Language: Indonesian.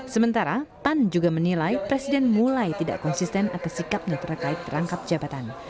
sementara pan juga menilai presiden mulai tidak konsisten atas sikapnya terkait rangkap jabatan